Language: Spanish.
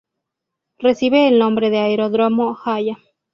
Recibe el nombre de Aeródromo Haya.